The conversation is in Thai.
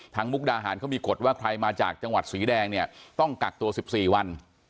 มุกดาหารเขามีกฎว่าใครมาจากจังหวัดสีแดงเนี่ยต้องกักตัว๑๔วัน